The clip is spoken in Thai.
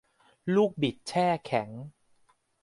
ลูกบิดแช่แข็ง